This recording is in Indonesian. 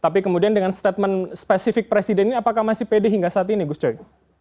tapi kemudian dengan statement spesifik presiden ini apakah masih pede hingga saat ini gus coy